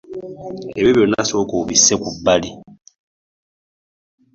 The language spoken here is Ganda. Ebyo byonna sooka obisse ku bbali.